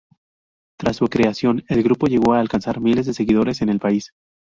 Tras su creación, el grupo llegó a alcanzar miles de seguidores en el país.